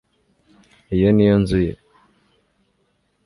iyo ni yo nzu ye